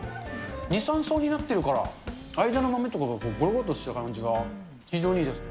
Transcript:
２、３層になってるから、間の豆とかがごろんとした感じが、非常にいいですね。